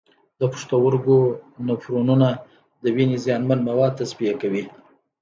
د پښتورګو نفرونونه د وینې زیانمن مواد تصفیه کوي.